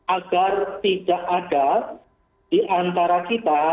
agar tidak ada diantara kita